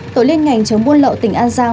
tổ liên ngành chống buôn lậu tỉnh an giang